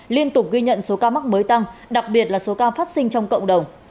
liên tục ghi nhận số ca mắc mới tăng đặc biệt là số ca phát sinh trong cộng đồng